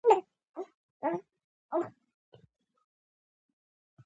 په افغانستان کې د کالم لیکنې رواج په نشت حساب دی.